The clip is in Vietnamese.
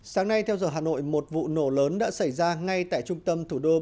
sáng nay theo giờ hà nội một vụ nổ lớn đã xảy ra ngay tại trung tâm thủ đô